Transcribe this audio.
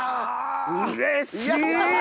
うれしい！